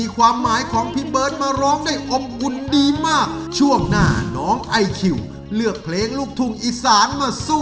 ขอบคุณทั้ง๓ท่านครับ